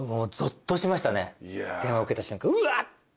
電話受けた瞬間うわっ！